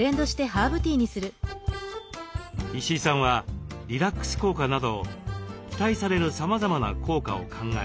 石井さんはリラックス効果など期待されるさまざまな効果を考え